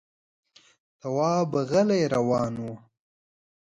تواب غلی روان و.